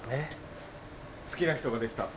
好きな人ができた。